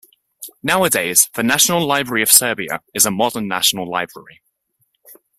Nowadays, the National Library of Serbia is a modern national library.